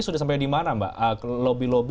sudah sampai di mana mbak lobby lobby